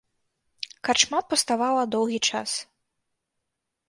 Карчма пуставала доўгі час.